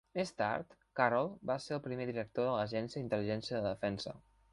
Més tard, Carroll va ser el primer director de l'Agència d'Intel·ligència de Defensa.